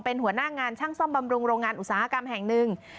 เป็นหัวหน้างานช่างซ่อมบำรุงโรงงานอุตสาหกรรมแห่งหนึ่ง